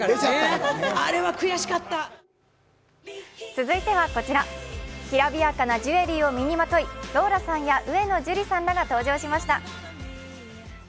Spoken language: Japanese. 続いてはこちら、きらびやかなジュエリーを身にまとい、ローラさんや上野樹里さんらが登場しました。